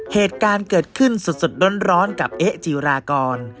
เหตุการณ์เกิดขึ้นสดร้อนกับเอ๊ะจีรากร